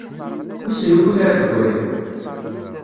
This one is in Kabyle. Wissen wukud ara d-teggriḍ?